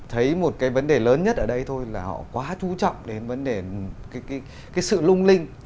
thấy một cái vấn đề lớn nhất ở đây thôi là họ quá chú trọng đến vấn đề cái sự lung linh